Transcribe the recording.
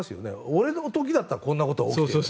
俺の時だったらこんなことは起きていないと。